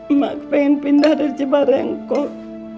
emak pengen pindah dari cibarengkot